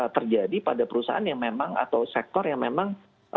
terjadi pada perusahaan yang memang atau sektor yang memang